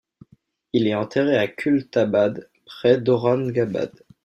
Il est enterré à Khultâbâd près d'Aurangâbâd.